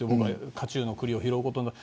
火中の栗を拾うことになる。